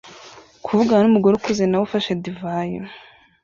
kuvugana numugore ukuze nawe ufashe divayi